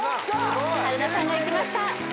春菜さんがいきました・